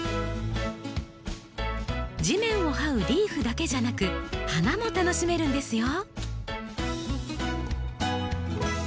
地面をはうリーフだけじゃなく花も楽しめるんですよ。